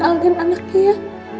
al dan anaknya ya